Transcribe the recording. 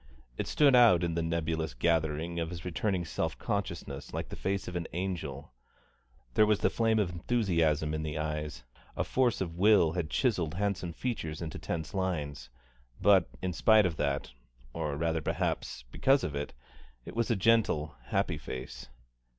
It stood out in the nebulous gathering of his returning self consciousness like the face of an angel; there was the flame of enthusiasm in the eyes, a force of will had chiselled handsome features into tense lines; but in spite of that, or rather perhaps because of it, it was a gentle, happy face.